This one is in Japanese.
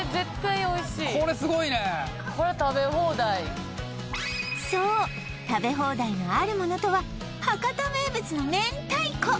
これすごいねこれ食べ放題そう食べ放題のあるものとは博多名物の明太子